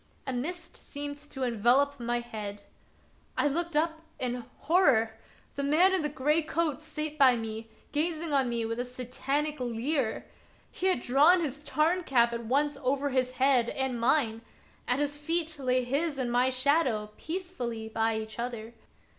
A mist seemed to envelop my head. I looked up and — horror ! of Peter SchlemihL 71 the man in the gray coat sate by me, gazing on me with a Satanic leer. He had drawn his Tarn cap at once over his head and mine; at his feet lay his and my shadow peaceably by each other.